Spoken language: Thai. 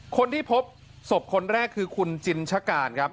คนที่พบศพคนแรกคือว่าคุณจินศกาล